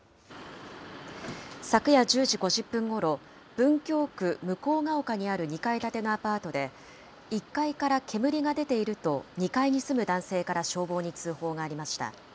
昨夜１０時５０分ごろ、文京区向丘にある２階建てのアパートで、１階から煙が出ていると、２階に住む男性から消防に通報がありました。